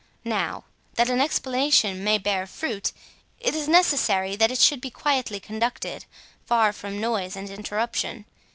Now, that an explanation may bear fruit, it is necessary that it should be quietly conducted, far from noise and interruption.